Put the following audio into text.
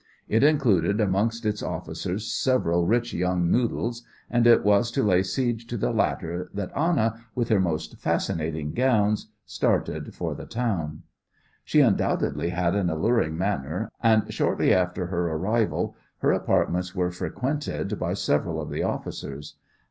It included amongst its officers several rich young noodles, and it was to lay siege to the latter that Anna, with her most fascinating gowns, started for the town. She undoubtedly had an alluring manner, and shortly after her arrival her apartments were frequented by several of the officers.